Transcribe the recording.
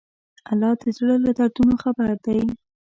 الله د زړه له دردونو خبر دی.